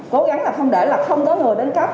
cố gắng là không để là không có người đến cấp